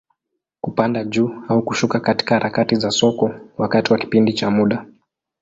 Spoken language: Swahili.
Kupanda juu au kushuka katika harakati za soko, wakati wa kipindi cha muda.